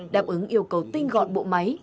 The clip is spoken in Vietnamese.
đáp ứng yêu cầu tinh gọn bộ máy